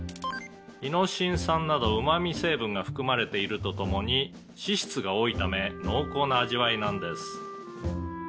「イノシン酸などうまみ成分が含まれているとともに脂質が多いため濃厚な味わいなんです」